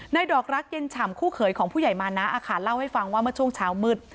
ดอกรักเย็นฉ่ำคู่เขยของผู้ใหญ่มานะเล่าให้ฟังว่าเมื่อช่วงเช้ามืด